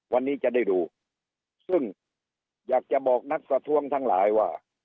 วันนี้จะได้ดูซึ่งอยากจะบอกนักประท้วงทั้งหลายว่า